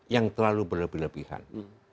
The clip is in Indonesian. yang terlalu berlebihan